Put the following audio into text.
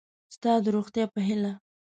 ستا د روغتیا په هیله